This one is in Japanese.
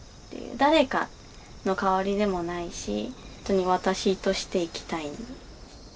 誰かの代わりでもないしほんとに私として生きたい。